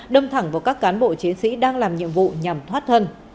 đâm thẳng vào các cán bộ chiến sĩ đang làm nhiệm vụ nhằm thoát thân